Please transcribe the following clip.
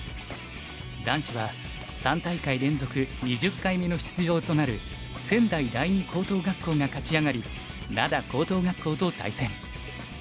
男子は３大会連続２０回目の出場となる仙台第二高等学校が勝ち上がり灘高等学校と対戦。